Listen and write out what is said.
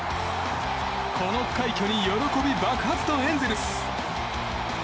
この快挙に喜び爆発のエンゼルス。